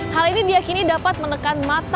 hal ini diakini dapat menekan mata uang dolar amerika